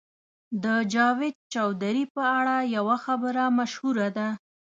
د جاوید چودهري په اړه یوه خبره مشهوره ده.